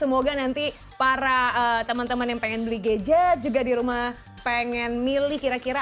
semoga nanti para teman teman yang pengen beli gadget juga di rumah pengen milih kira kira